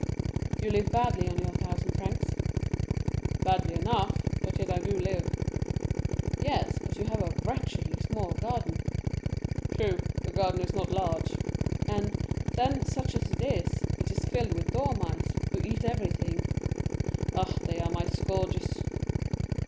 "You live badly on your thousand francs?" "Badly enough; but yet I do live." "Yes; but you have a wretchedly small garden." "True, the garden is not large." "And, then, such as it is, it is filled with dormice, who eat everything." "Ah, they are my scourges."